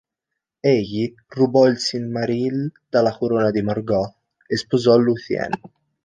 Egli rubò il Silmaril dalla corona di Morgoth e sposò Lúthien.